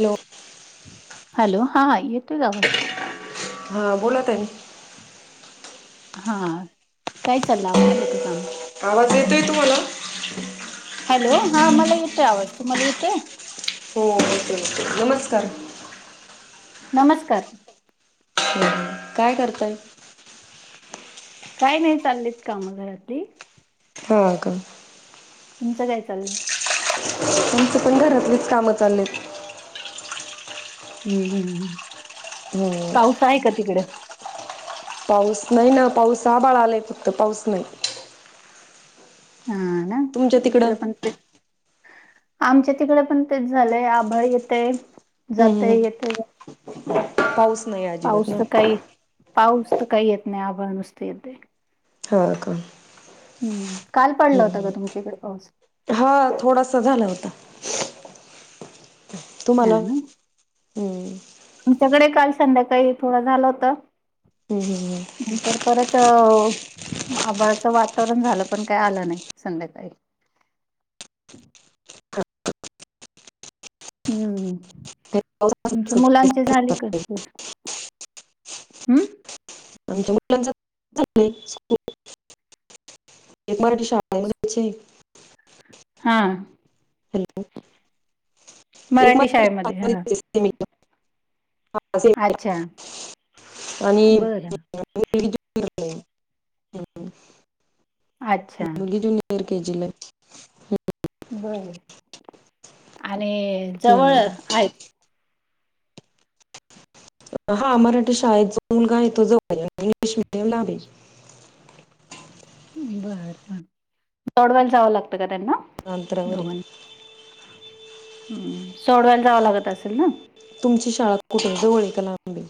Hello hello!.. हा येतोय आवाज? हा बोला ताई हा काय चाललं आवरलं का काम? आवाज येतो आहे तुम्हाला? हॅलो!.. हा मला येतंय, आवाज तुम्हाला येतोय. हो आला कि येतोय, नमस्कार नमस्कार ह् काय करताय? काय नाही चाललीत काम घरातली. हो का तुमंच काय चाललंय? आमचं पण घरातलीच कामं चाललेत. हम्म हम्म हम्म. होय. पाऊस आहे का तिकडे. पाऊस नाही ना पाऊस आबाळ आलाय फक्त पाऊस नाही. हा ना तुमच्या तिकडं? इकड पण तेच. आमच्या तिकडे पण तेच झालंय आभळ येतय हम्म जातय हम्म येते जाते. पाऊस नाही आ. पाऊस तर काही पाऊस तर काही येत नाही आभाळ नुसते येते. हा का, हम्म काल पाडला होता हम्म का तुमच्या इकडे पाऊस. हा, थोडासा झाला होता. तुम्हाला हम्म तुमच्याकडे काल संध्याकाळी थोडं झालं होत. ह् [inaudible] नंतर परत अ. आबाळाचं वातावरण झालं पण काय आलं नाही संध्याकाळी. हम्म हम्म तुमच्या मुलांचे झाली का हम्म स्कूल. हम्म. आमच्या मुलांच झाली स्कूल. एक मराठी शाळा मध्येच हाय. ''हां'' हॅलो एक म मराठी [inaudible] [inaudible] शाळेमध्ये हा अच्छा आणि बर मुग अच्छा मुगी दुन [inaudible] एर के जी ला हाय. बर आणि जवळ हम्म. आहेत. हा मराठी शाळेत जो मुलगा आहे तो ज [inaudible] इंग्लिश मीडियम मध्ये. बर बर जोडवा यला जावं लागतं का त्यांना. अंतरावर वर. हम् सोडवायला जावं लागत असेल ना. तुमची शाळा कुठे जवळ आहे का लांबे.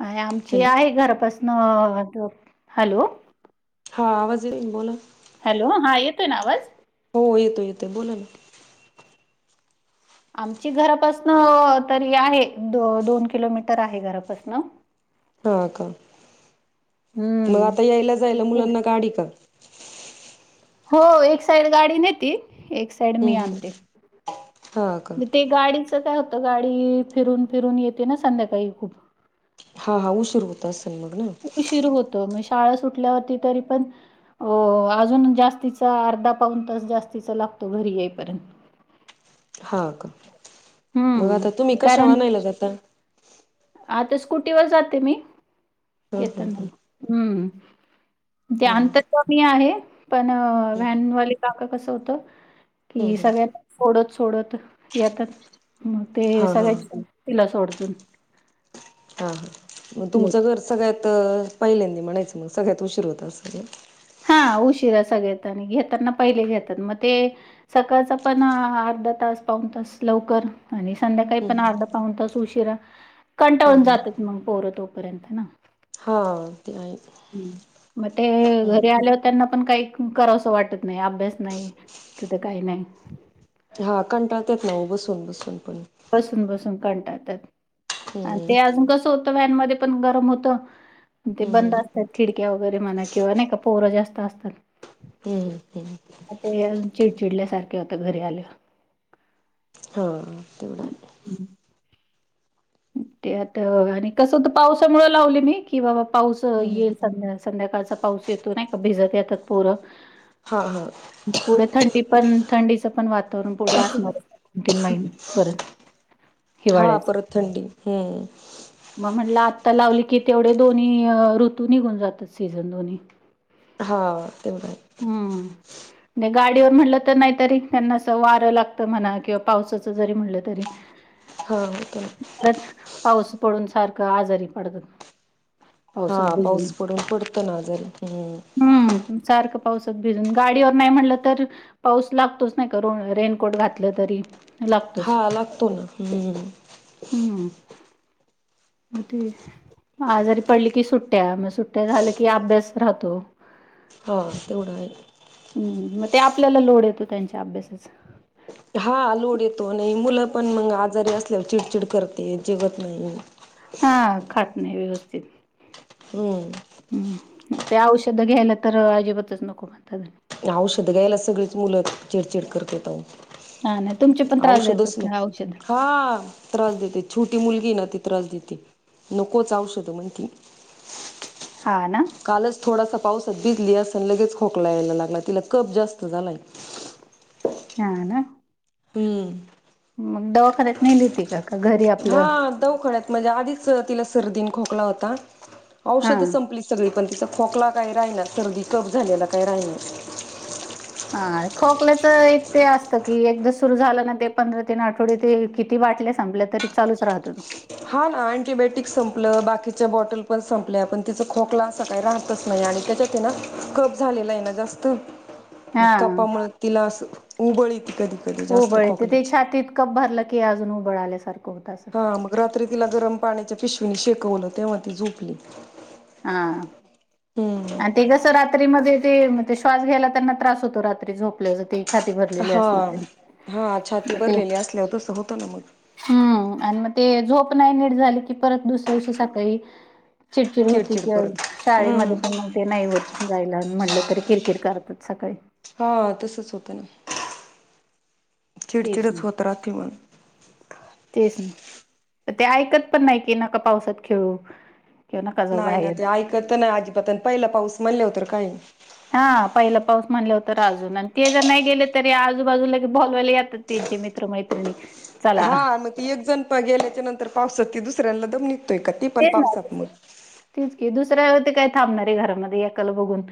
हाय आमची हॅलो आहे घरापासून थो हॅलो. हा आवाज येईल बोला. हॅलो! हा येतो आहे ना आवाज? हो येतो येतोय बोला ना. आमची घरापासन तरी आहे द दोन किलोमीटर आहे घरापासन. हा का मग हम्म. आता यायला जायला मुलांना गाडी का. हो एक साइड गाडी नेती एक सा ''--'' हम्म हम् हा का, मग ते गाडीचं काय होतं गाडी फिरून फिरून येते ना संध्याकाळी खूप. हा हा, उसर होत असेल मग ना. शिरू होतो म शाळा सुटल्यावरती तरी पण हो हो अजून जास्तीचा अर्धा पाऊन तास जास्तीचा लागतो घरी येईपर्यंत. हा का मग आता हम्म तुम्ही कशा कारण वानायला जाता. आता स्कुटीवर जाते मी हा हा येताना हा मग हम्म. ते [unintelligible] ध्यान हम्म, तर क मी आहे पण हम्म, हम्म, व्हॅनवाले काका कसं होत. कि हम्म. सगळ्यां सोडत सोडत येतात मग ते हा हा हा सगळ्यां तिला सोडतून हा हा मग हो. तुमचं घर सगळ्यात पहिलेंद म्हणायचं मग सगळ्यात उशीर होत असं हा उशिरा सगळ आणि घेताना पहिले घेतात मग ते सकाळचं पण अर्धा तास पाहून तस लवकर. आणि संध्याकाळी पण हम्म अर्धा पाऊन तास उशिरा हम्म कंटाळून हम्म जातात मग पोरं तोपर्यंत ना हा ते अ ह् म ते घरी आल्यावर त्यांना पण काही कराव असं वाटत नाही अभ्यास नाही तिथे काही नाही. हा कंटाळतेत ना बसून बसून पण बसून बसून कंटातात आणि हम्म ते अजून कसं होत व्हॅनमध्ये पण गरम होत. ते हम्म बंद असतात खिडक्या वगैरे म्हणा किंवा नाही का पोहरा जास्त असतात. ह ते ते चिडचिडल्या सारखे होत घरी आल्यावर हा तेवढं आहे. हम्म. ते आता आणि कसं पावसामुळे लावले मी कि बाबा पाऊस हम्म येईल संध्या संध्याकाळचा पाऊस येतो नाही का भिजत येतात पोरं हा हा पुढे थंडी पण थंडीचं पण वातावरण पुढे असणार आहे. दोन तीन महिने परत हा हिवाळा्यायच परत थंडी हम्म. मग म्हटलं आत्ता लावली की तेवढे दोन्ही अ ऋतू निघून जातात सीझन दोन्ही हा ते हम्म. नाही गाडीवर म्हणलं तर नाहीतरी त्यांना अस वारं लागतं म्हणा किंवा पावसाचं जरी म्हणलं तरी हा येतोय ना. परत पाऊस पडून सारखं आजारी पडत हा पाऊस पडून पडतो ना अजून ह्म हम् सारखं पावसात भिजून गाडीवर नाही म्हटलं तर पाऊस लागतोच नाही करून रेनकोट घातलं तरी लागतोच हा लागतो ना ह् हम्म मे आजारी पडली की सुट्ट्या म सुट्ट्या झाल्या की अभ्यास राहतो. हो तेवढं आहे. हम् मग ते आपल्याला लोड येतो त्यांच्या अभ्यासाचा हा लोड येतो आणि मुलं पण मग आजारी असल्यावर चिडचिड करते जिगत नाही. हा खाट नाही व्यवस्थित हम्म. हम् ते औषध घ्यायला तर अजिबातच नको म्हणताात. औषध घ्यायला सगळेच मुलं चिडचिड करतेेत. हा ना तुमचे पण त्रास देतात औषधच म का औषध हा त्रास देते छोटी मुलगी ना ती त्रास देते नकोच औषध म्हण ति हा ना. कालच थोडासा पावसात भिजली असन. लगेच खोकला यायला लागला. तिला कप जास्त झालाय. हा ना? हम्म. मग दवाखान्यात नेली होती का? का घरी हा आपलं दवखान्यात म्हणजे आधीच तिला सर्दी खोकला होता. हा औषध संपली सगळी. पण तिचा खोकला काही राहिना. सर्दी कफ झालेला काही राहिनाच. हा खोकल्याचं एक ते असतं की, एकदा सुरू झालं ना ते पंधरा तीन आठवडे ते किती बाटल्या संपल्यात तरी चालच राहतो तो. हा ना. अँटीबायोटिक संपलं. बाकीच्या बॉटल पण संपल्या. पण तिचा खोकला काही राहतच नाही. आणि त्याच्यात ना, कफ झालेलाय ना जास्त. [unintelligible] म कपा मुळ तिला अस उबळ येती कधी कधी जास्त उबळ येते. ते खोकल्याची छातीत कप भरलं की अजून उबळ आल्यासारखं होत. ह मग रात्री तिला गरम पाण्याच्या पिशवीणी शेकवलं. तेव्हा ती झोपली. हा. हम्म आणि ते कसं रात्रीमध्ये ते, ते श्वास घ्यायला त्यांना त्रास होतो. रात्री झोपल्या ज ते. छाती भरलेली हा असली तरी. हा छाती मग ते भरलेली असल्याव तसं होतं ना मग. हम्म आणि म ते झोप नाही नीट झाली की, परत दुसऱ्या दिवशी सकाळी चिडचिड होती किं परत हम्म शाळेमध्ये पण मग ते नाही होत जायला. म्हटलं तरी किरकिर करतात सकाळी. हा तसच होतं ना. तेच चिडचिडच ना. होत राहती म्. तेच ना. त ते ऐकत पण नाही की नका पावसात खेळू. किंवा नका जाऊ नाही ना बाहेर. ते ऐकत नाही अजिबातन, पहिला पाऊस म्हणले वर तर काय हा पहिला पाऊस म्हनल्यावर तर अजूनच आण ते जर नाही गेले तरी आजूबाजूलागे बोलवायला येतात. त्यांचे मित्र मैत्रिणी. चला हा मग ती एक जण प गेल्याच्या नंतर पावसात. ते दुसऱ्यांला दम निघतोय का मग ती पण तेच ना पाऊसात मग. तेच की, दुसऱ्या ते काय थांबणारे घरामध्ये. एकाला बघून.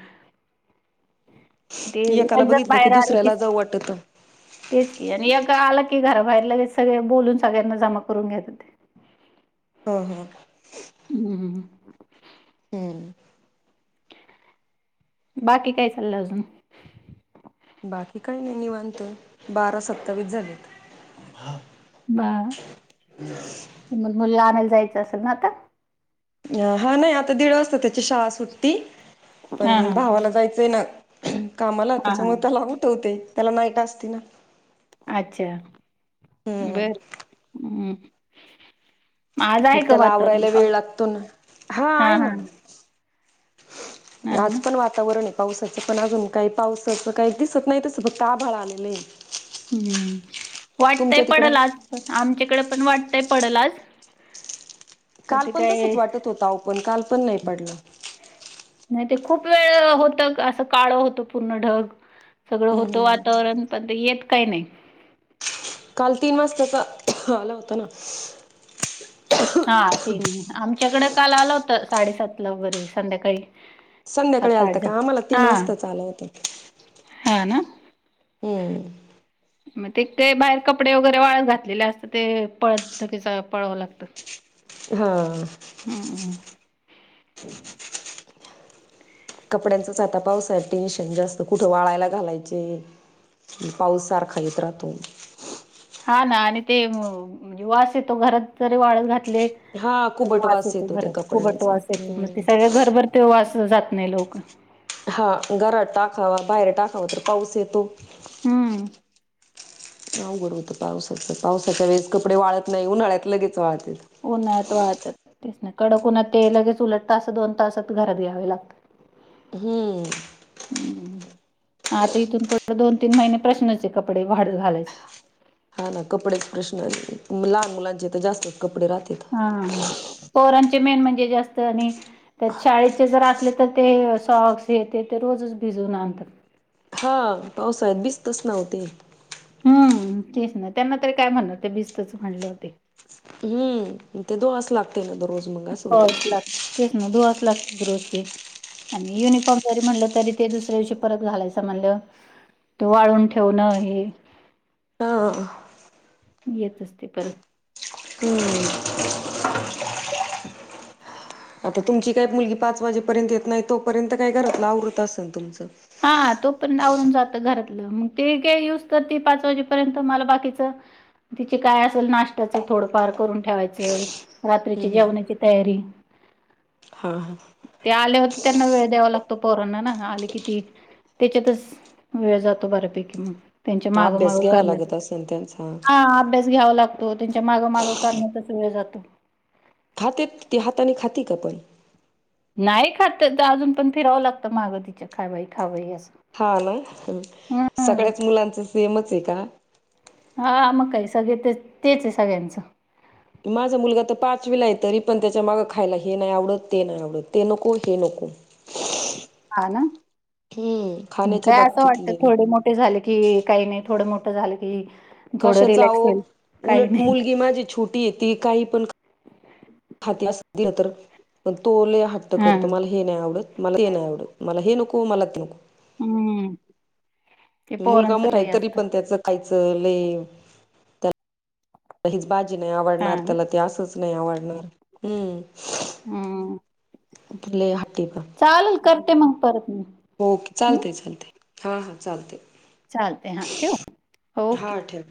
ते व एकाला जर बघितलं की बाहेर आले कि दुसऱ्याला जाऊ वाटत तेच की, आणि एक आलं की घराबाहेर लगे सगळे बोलून सगळ्यांना जमा करून घेता ते. हं हं. हम्म हम्म हम्म. हम्म. बाकी काय चाललं अजून? बाकी काही नाही निवांत. बारा सत्तावीस झालेत. बा. तुम्हाला मुलीला आणायला जायचं असेल ना आता? हा नाही आता दीड वाजत त्याची शाळा सुटती. हा पण हा भावाला जायचंय ना, कामाला. हा त्याच्यामुळे हा त्याला उठवते. त्याला नाईट असती ना. अच्छा, हम्म बर्. अ. मग त्याला आवरायला वेळ लागतो ना. हा आहे ना. आज ना पण वा तावरणे पावसाचं. पण अजून काही पावसच काही दिसत नाही तस काय. फक्त आभाळ आलेलंय. हम्म. वाटतंय तिकडं पडल आज. आमच्याकडे पण वाटतंय पडल आज. काल ते पण तसच काय वाटत होत आओ. पण काल पण नाही पडला. नाही ते खूप वेळ होतं असं. काळं होतो पूर्ण ढग. सगळं हम्म होतं हम्म. वातावरण. पण ते येत काही नाही. काल तीन वाजताचा आला होता ना. हा तीन आमच्याकडे काल आला होता साडेसातला वगैरे संध्याकाळी. सात संध्याकाळी आलता का साडेसात आम्हाला तीन हा वाजताचा आला होता. हा ना. हम्म. म ती ते बाहेर कपडे वगैरे वाळत घातलेले असतात ते पळतच पळाव लागतं. हा. हम्. कपड्यांनच आता पावसाळ्यात टेन्शन जास्त कुठं वाळायला घालायचे. अन् पाऊस सारखा येत राहतो. हा ना आणि ते म्हणजे वास येतो घरात जरी वाळत घात ले हा कुबट -वास येतो त्या परत कुबट कपड्यांचा. वास येतो म ते हम्म. सगळ्या घरभर त्यो वास जात नाय लवक. हा घरात टाकावा बाहेर टाकावा तर पाऊस येतो. हम्म. अवघड हुत पावसाचं पावसाच्या वेळेस कपडे वाळत नाय उन्हाळ्यात लगेच वाळतेत. उन्हाळ्यात वाळतात तेच ना कडक उन्हात ते लगेच तसा दोन तासात घरात घ्यावे लागतात. [inaudible] हम्म. हम्म आता इथून पुढ दोन तीन महिने प्रश्नाच ए कपडे वाळत घालायचा. हा ना कपडेच प्रश्न लहान मुलांचे तर जास्तच कपडे राहतेत. हा पोरांचे मेन म्हणजे जास्त आणि त्यात शाळेचे जर असले तर ते सॉक्स हे ते ते रोजच भिजून आणतात. हा पावसाळ्यात भिजतच ना ओ ते. हम्म तेच ना त्यांना तरी काय म्हणणार भिजतच म्हणल्याव ते. हम्म ते धुवावच लागतं ना ते दररोज. मग असं होतं ना. धुवावच लागतं तेच ना ते धुवावेच लागतात रोज ते. आणि युनिफॉर्म जरी म्हणलं तरी ते दुसऱ्या दिवशी परत घालायचं म्हणल्याव तो वाळवून ठेवणं हे हा येतच ते परत. हम्. आता तुमची काय मुलगी पाच वाजेपर्यंत येत नाय तोपर्यंत काय घरातलं आवरत असल तुमचं? हा तोपर्यंत आवरून जातं घरातलं मग ते एऊज तोर ती पाच वाजेपर्यंत मला बाकीच तिचे काय असल नाष्ट्याचं थोडंफार करून ठेवायचं. हम्म रात्रीची हम्म जेवणाची तयारी. हा हा. ते आले होते त्यांना वेळ द्यावा लागतो पोरोना ना आले कि ती त्याच्यातच वेळ जातो बऱ्यापैकी मग. त्यांच्या हा माग अभ्यास माग घ्यावा करण्यात लागत असेल त्यांचा. हा अभ्यास घ्यावा लागतो त्यांच्या माग माग करण्यातच वेळ जातो. खातेत ती हातानी खाती का पण? नाय खात त्याच्या अजून पण फिरावं लागतं माग तिच्या खा बाई खा बाई असं. हा ना हम्म सगळ्याच मुलांच सेमच ए का? हा मग काय सगळे ते- तेच ए सगळ्यांचं. माझा मुलगा त पाचवीला हाय तरी पण त्याच्या माग खायला हे नाय आवडत ते नाय आवडत ते नको हे नको. हा ना, हम्म खाण्याच्या काय असं वाटत बाबतीतले थोडे मोठ झालं की काही नाही, थोडं मोठं झालं की थोडं कशाचा रिलॅक्स अहो, होईल काही उलट नाही मुलगी माझी छोटी आहे, ती काही पण [unintelligible] दिलास तर, खर तो लय हट्ट हा करतो मला हे नाही आवडत, मला हे नाही आवडत, मला हे नको, मला ते हम्म! ते मुलगा पोरांचं मोठा आहे, लय तरी असतं पण त्याचं खायचं लय त्याला हीच बाजी नाही हा आवडणार, त्याला ते असंच नाही आवडणार, हम्म! हम्म! लई हट्टी आहेत बा. चालल, करते मग परत. ओके, हम्म चालतय, चालतय, हा हा, चालतय. चालतय, हा ठेवू? ओके. हा ठेव